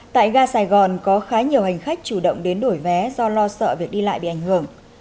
tại ga sài gòn có khá nhiều hành khách chủ động đến đổi vé do lo sợ việc đi lại bị ảnh hưởng